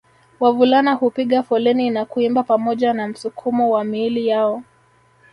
Wavulana hupiga foleni na kuimba pamoja na msukumo wa miili yao